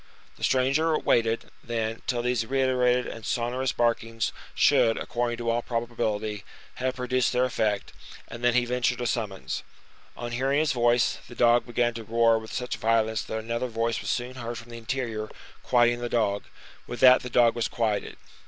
The stranger waited, then, till these reiterated and sonorous barkings should, according to all probability, have produced their effect, and then he ventured a summons. On hearing his voice, the dog began to roar with such violence that another voice was soon heard from the interior, quieting the dog. With that the dog was quieted.